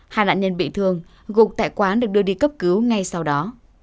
hai nạn nhân bị thương gục tại quán được đưa đi cấp cứu ngay sau đó